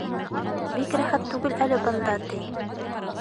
— Бик рәхәт түгел әле бында, ти.